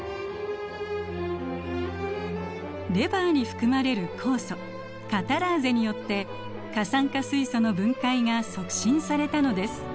レバーに含まれる酵素カタラーゼによって過酸化水素の分解が促進されたのです。